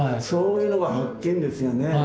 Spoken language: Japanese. そういうのが発見ですよね。